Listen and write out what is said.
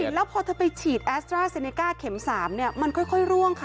แล้วพอเธอไปฉีดแอสตราเซเนก้าเข็ม๓มันค่อยร่วงค่ะ